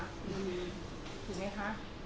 ถูกมั้ยคะ